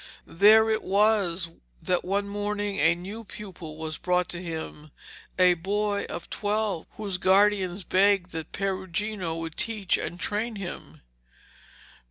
There it was that one morning a new pupil was brought to him, a boy of twelve, whose guardians begged that Perugino would teach and train him.